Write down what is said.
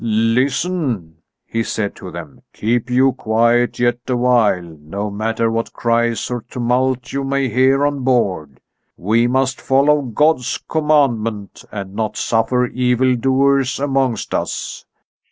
"Listen," he said to them; "keep you quiet yet awhile, no matter what cries or tumult you may hear on board. We must follow God's commandment and not suffer evildoers amongst us.